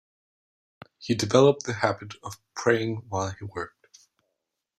He developed the habit of praying while he worked.